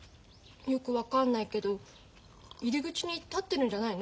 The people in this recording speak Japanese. よく分かんないけど入り口に立ってるんじゃないの？